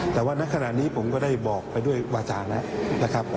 แต่ว่าในขณะนี้ผมก็ได้บอกไปด้วยวาจาแล้วนะครับ